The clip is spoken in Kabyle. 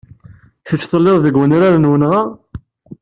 Kecc telliḍ deg wenrar n wenɣa?